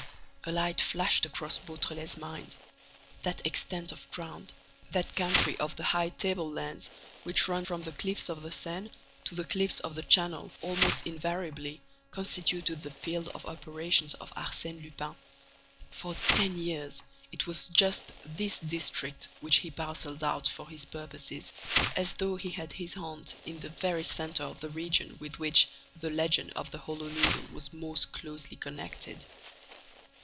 A light flashed across Beautrelet's mind. That extent of ground, that country of the high tablelands which run from the cliffs of the Seine to the cliffs of the Channel almost invariably constituted the field of operations of Arsène Lupin. For ten years, it was just this district which he parcelled out for his purposes, as though he had his haunt in the very centre of the region with which, the legend of the Hollow Needle was most closely connected.